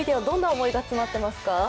どんな思いが詰まっていますか？